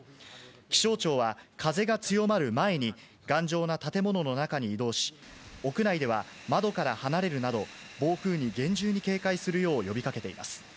気象庁は、風が強まる前に、頑丈な建物の中に移動し、屋内では窓から離れるなど、暴風に厳重に警戒するよう呼びかけています。